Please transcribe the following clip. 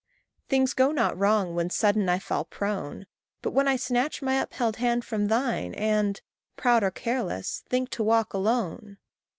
Things go not wrong when sudden I fall prone, But when I snatch my upheld hand from thine, And, proud or careless, think to walk alone.